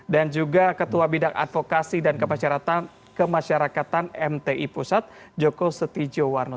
dan juga ketua bidang advokasi dan kepacarataan kemasyarakatan mti pusat joko setijowarno